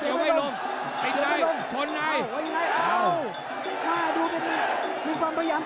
ตอนนี้มันถึง๓